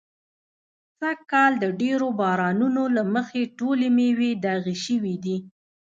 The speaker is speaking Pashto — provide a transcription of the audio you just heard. سږ کال د ډېرو بارانو نو له مخې ټولې مېوې داغي شوي دي.